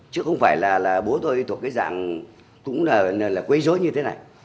chứ không phải là bố tôi thuộc cái dạng cũng là quấy dối như thế này